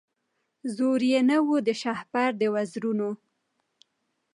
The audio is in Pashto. زور یې نه وو د شهپر د وزرونو